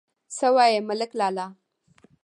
_څه وايي ملک لالا!